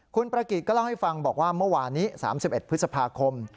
คุณประกิจก็เล่าให้ฟังบอกว่าเมื่อวานนี้๓๑พฤษภาคม